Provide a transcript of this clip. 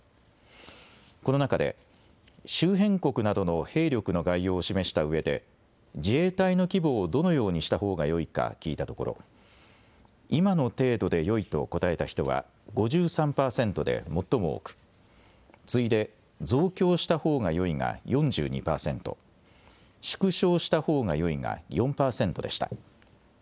この中で周辺国などの兵力の概要を示したうえで自衛隊の規模をどのようにしたほうがよいか聞いたところ今の程度でよいと答えた人は５３％で最も多く次いで増強したほうがよいが４２％、縮小したほうがよいが４％でした。